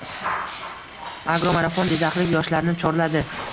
“Agromarafon” jizzaxlik yoshlarni chorlading